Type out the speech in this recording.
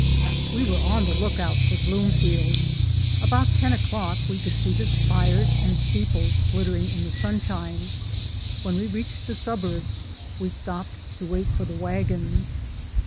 We were on the lookout for Bloomfield, about ten o'clock we could see the spires and steeples glittering in the sunshine. When we reached the suburbs we stopped to wait for the wagons.